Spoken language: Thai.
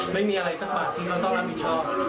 ไม่มีอะไรสักบาทที่เราต้องรับผิดชอบ